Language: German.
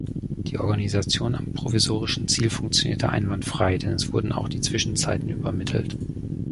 Die Organisation am provisorischen Ziel funktionierte einwandfrei, denn es wurden auch die Zwischenzeiten übermittelt.